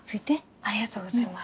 ありがとうございます。